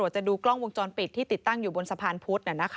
จะดูกล้องวงจรปิดที่ติดตั้งอยู่บนสะพานพุธ